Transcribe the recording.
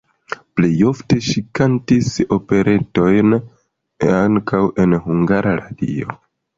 Plej ofte ŝi kantis operetojn, ankaŭ en Hungara Radio.